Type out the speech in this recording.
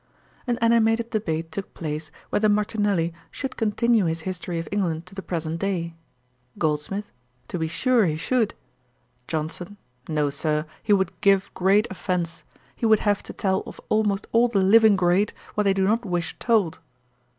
An animated debate took place whether Martinelli should continue his History of England to the present day. GOLDSMITH. 'To be sure he should.' JOHNSON. 'No, Sir; he would give great offence. He would have to tell of almost all the living great what they do not wish told.'